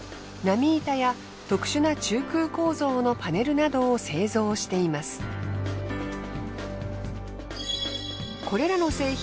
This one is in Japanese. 波板や特殊な中空構造のパネルなどを製造しています。